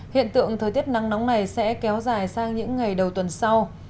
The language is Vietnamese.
hiện tượng thời tiết nắng nóng này sẽ kéo dài sang những ngày đầu tuần sau